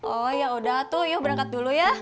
oh ya udah tuh iyo berangkat dulu ya